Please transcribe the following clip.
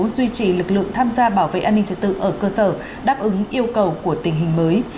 duy trì lực lượng tham gia bảo vệ an ninh trật tự ở cơ sở đáp ứng yêu cầu của tình hình mới